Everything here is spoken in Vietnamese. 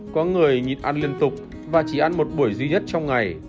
có người nhịt ăn liên tục và chỉ ăn một buổi duy nhất trong ngày